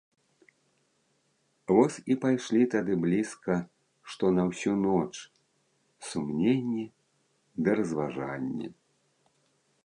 Вось і пайшлі тады блізка што на ўсю ноч сумненні ды разважанні.